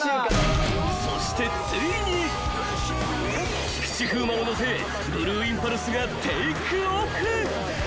［そしてついに菊池風磨を乗せブルーインパルスがテークオフ］